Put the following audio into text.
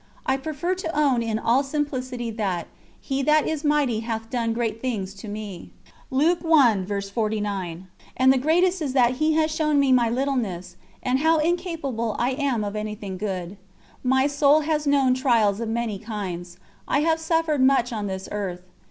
I prefer to own in all simplicity that "He that is mighty hath done great things to me" and the greatest is that He has shown me my littleness and how incapable I am of anything good. My soul has known trials of many kinds. I have suffered much on this earth.